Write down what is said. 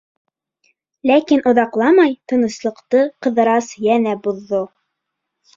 Ләкин оҙаҡламай тыныслыҡты Ҡыҙырас йәнә боҙҙо.